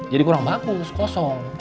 jadi kurang bagus kosong